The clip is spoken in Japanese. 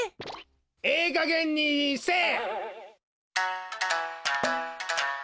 ええかげんにせえ！